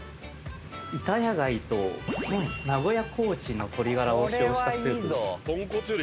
イタヤガイと名古屋コーチンの鶏ガラを使用したスープ。